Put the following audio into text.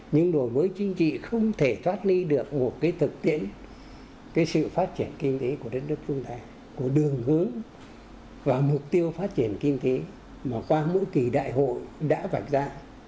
những đổi mới chính trị không thể thoát ly được một cái thực tiễn cái sự phát triển kinh tế của đất nước chúng ta của đường hướng và mục tiêu phát triển kinh tế mà qua mỗi kỳ đại hội đã vạch ra